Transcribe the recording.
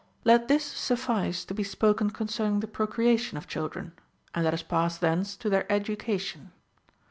Let this suffice to be spoken concerning the procreation of children : and let us pass thence to their education.